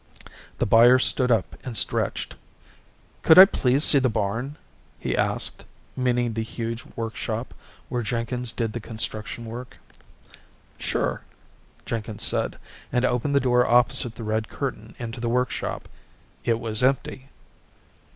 The buyer stood up and stretched. "Could I please see the barn?" he asked, meaning the huge workshop where Jenkins did the construction work. "Sure," Jenkins said and opened the door opposite the red curtain into the workshop. It was empty.